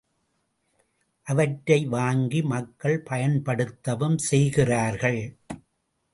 அவற்றை வாங்கி மக்கள் பயன்படுத்தவும் செய்கிறார்கள்.